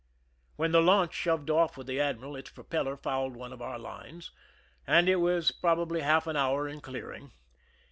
"When the laimch shoved off with the admiral, its propeller fouled one of our lines, and it was probably half an hour in clearing.